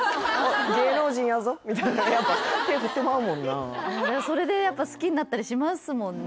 「芸能人やぞ」みたいな手振ってまうもんなそれでやっぱ好きになったりしますもんね